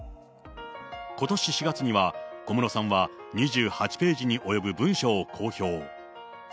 ことし４月には、小室さんは２８ページに及ぶ文書を公表。